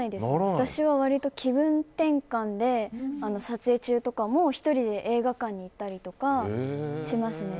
私は割と気分転換で、撮影中とかも１人で映画館に行ったりとかしますね。